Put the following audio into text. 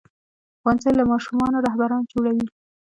ښوونځی له ماشومانو رهبران جوړوي.